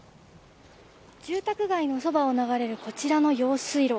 住宅街のそばを流れるこちらの用水路。